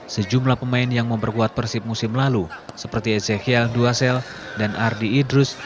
sejumlah pemain yang memperkuat persib musim lalu seperti ezekiel duassel dan ardi idrus